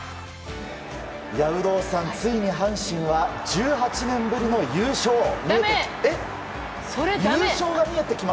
有働さん、ついに阪神は１８年ぶりの優勝も見えてきて。